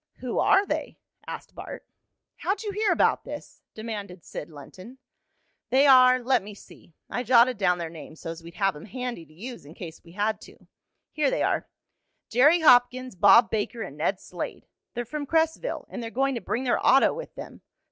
"Who are they?" asked Bart. "How'd you hear about this?" demanded Sid Lenton. "They are let me see. I jotted down their names so's we'd have 'em handy to use in case we had to. Here they are Jerry Hopkins, Bob Baker and Ned Slade. They're from Cresville, and they're going to bring their auto with them.